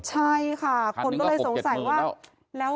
ใช่ค่ะคนก็เลยสงสัยว่า